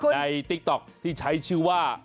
ติ๊กต๊อกที่ใช้ชื่อว่า